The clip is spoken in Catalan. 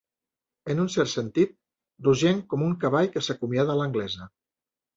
En un cert sentit, rogenc com un cavall que s'acomiada a l'anglesa.